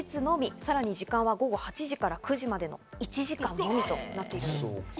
さらに時間は午後８時から９時まで、１時間のみとなっています。